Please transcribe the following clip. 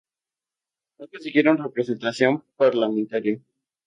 No consiguieron representación parlamentaria.